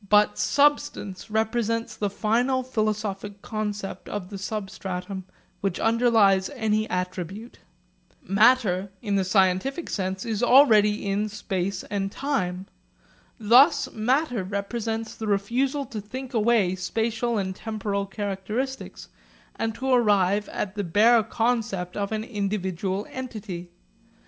But substance represents the final philosophic concept of the substratum which underlies any attribute. Matter (in the scientific sense) is already in space and time. Thus matter represents the refusal to think away spatial and temporal characteristics and to arrive at the bare concept of an individual entity.